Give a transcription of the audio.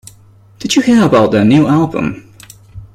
Did you hear about their new album?